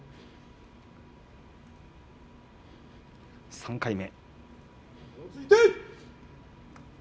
３回目。